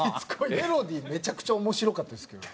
メロディーめちゃくちゃ面白かったですけどね。